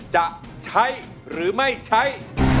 จะใช้หรือไม่ใช้